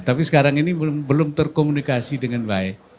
tapi sekarang ini belum terkomunikasi dengan baik